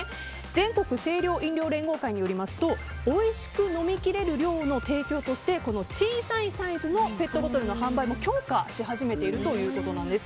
全国清涼飲料連合会によりますとおいしく飲みきれる量の提供として小さいサイズのペットボトルの販売も強化し始めているということなんです。